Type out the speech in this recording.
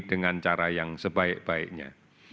dengan cara yang sebaik baiknya